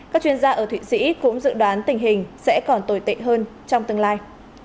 các chuyên gia ở thụy sĩ cũng dự đoán tình hình sẽ còn tồi tệ hơn trong tương lai